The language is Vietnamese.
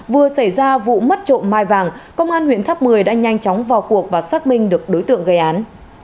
vừa xảy ra vụ mất trộm mai vàng công an huyện tháp một mươi đã nhanh chóng vào cuộc và xác minh được đối tượng gây án